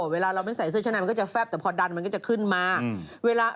เวลาเราไม่ใส่เสื้อชั้นในมันก็จะแฟบแต่พอดันมันก็จะขึ้นมาเวลา